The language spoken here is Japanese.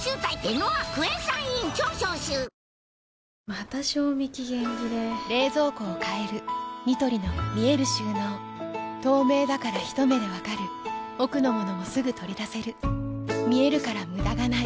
また賞味期限切れ冷蔵庫を変えるニトリの見える収納透明だからひと目で分かる奥の物もすぐ取り出せる見えるから無駄がないよし。